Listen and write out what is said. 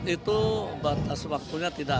itu batas waktu